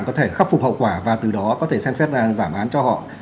có thể khắc phục hậu quả và từ đó có thể xem xét là giảm án cho họ